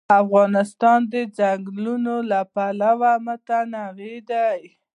افغانستان د ځنګلونه له پلوه متنوع دی.